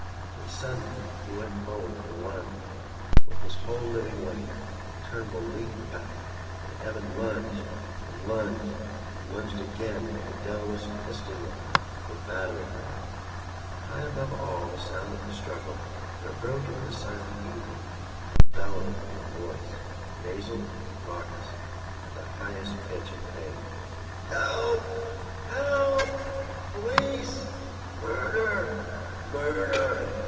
Then suddenly he went forward at the lunge with his whole living weight. Turnbull leaped back, but Evan lunged and lunged and lunged again like a devilish piston rod or battering ram. And high above all the sound of the struggle there broke into the silent evening a bellowing human voice, nasal, raucous, at the highest pitch of pain. "Help! Help! Police! Murder! Murder!"